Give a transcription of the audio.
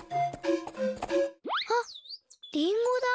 あっりんごだ。